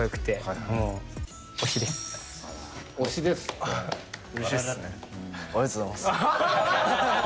ありがとうございます。